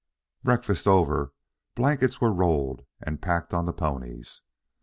Breakfast over, blankets were rolled and packed on the ponies.